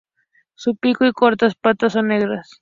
Su pico y cortas patas son negras.